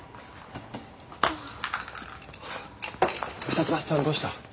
二ツ橋さんどうした？